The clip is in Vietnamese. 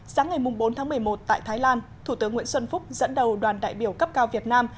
sáng ngày bốn tháng một mươi một tại thái lan thủ tướng nguyễn xuân phúc dẫn đầu đoàn đại biểu cấp cao việt nam